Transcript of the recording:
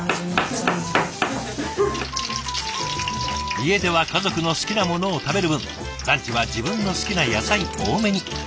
家では家族の好きなものを食べる分ランチは自分の好きな野菜多めに。